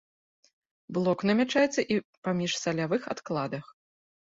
Блок намячаецца і па міжсалявых адкладах.